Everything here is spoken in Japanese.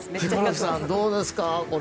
ヒコロヒーさんどうですか？